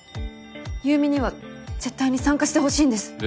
優美には絶対に参加してほしいんです。